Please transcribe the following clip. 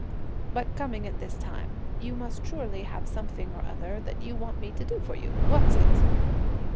But coming at this time, you must surely have something or other that you want me to do for you! what's it?"